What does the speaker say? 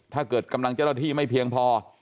กำลังเจ้าหน้าที่ไม่เพียงพอ